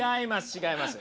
違います。